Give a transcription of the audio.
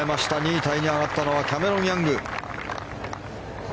２位タイに上がったのはキャメロン・ヤング。